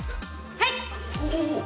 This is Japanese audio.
はい！